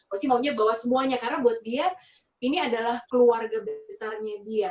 pasti maunya bawa semuanya karena buat dia ini adalah keluarga besarnya dia